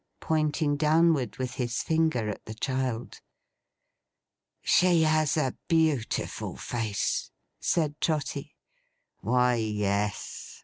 pointing downward with his finger, at the child. 'She has a beautiful face,' said Trotty. 'Why yes!